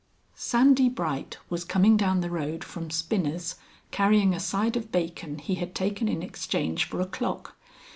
II. Sandy Bright was coming down the road from Spinner's carrying a side of bacon he had taken in exchange for a clock.